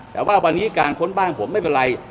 แต่ว่าวันนี้การค้นบ้านผมไม่เป็นไร